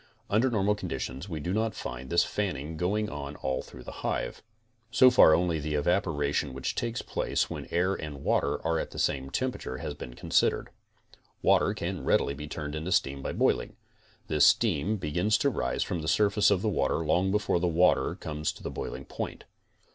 Under normal conditions we do not find this fanning going on all through the hive. So far only the evaporation which takes place when the air and water are at the same temperature has been considered. Water can readily be turned into steam by boiling. This steam begins to rise from the surface of the water long before the water comes to the boiling point.